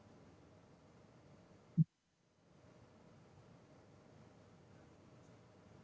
saya ke pak bili dan juga mas bili